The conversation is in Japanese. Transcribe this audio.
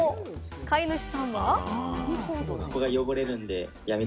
飼い主さんは。